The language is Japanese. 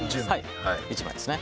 １枚ですね。